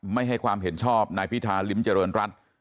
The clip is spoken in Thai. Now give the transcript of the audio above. ไม่ให้ความเห็นชอบนายพิธาริมเจริญรัฐ